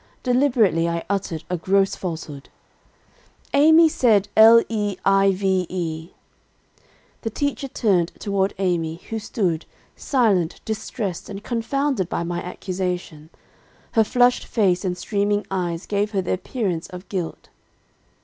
Deliberately I uttered a gross falsehood, 'Amy said l e i v e,' "The teacher turned toward Amy, who stood, silent, distressed and confounded by my accusation. Her flushed face and streaming eyes gave her the appearance of guilt.